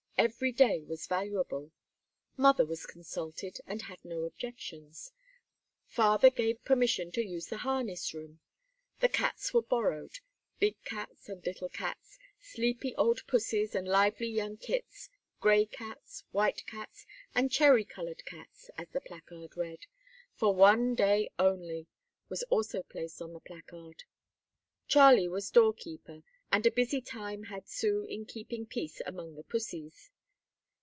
Every day was valuable. Mother was consulted, and had no objections. Father gave permission to use the harness room. The cats were borrowed: big cats and little cats, sleepy old pussies and lively young kits, gray cats, white cats, and "cherry colored cats," as the placard read. "For one day only," was also on the placard. Charlie was door keeper, and a busy time had Sue in keeping peace among the pussies.